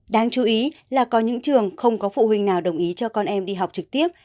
đáng chú ý là có những trường không có phụ huynh nào đồng ý cho con em đi học trực tiếp